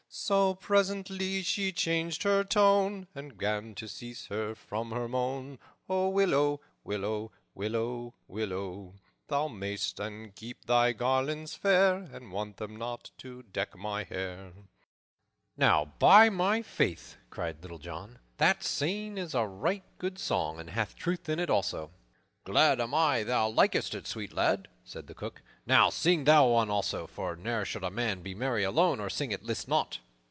So, presently, she changed her tone, And 'gan to cease her from her moan, 'O willow, willow, willow, willow! Thou mayst e'en keep thy garlands fair, I want them not to deck my hair_.'" "Now, by my faith," cried Little John, "that same is a right good song, and hath truth in it, also." "Glad am I thou likest it, sweet lad," said the Cook. "Now sing thou one also, for ne'er should a man be merry alone, or sing and list not."